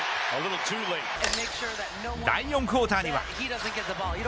第４クオーターには。